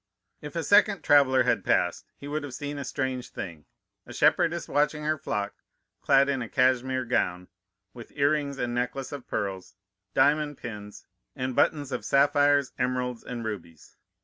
If a second traveller had passed, he would have seen a strange thing,—a shepherdess watching her flock, clad in a cashmere grown, with ear rings and necklace of pearls, diamond pins, and buttons of sapphires, emeralds, and rubies.